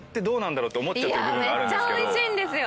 めっちゃおいしいんですよ！